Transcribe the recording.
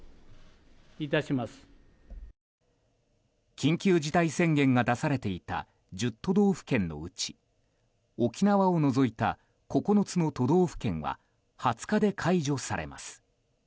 緊急事態宣言が出されていた１０都道府県のうち沖縄を除いた９つの都道府県は２０日で解除されます。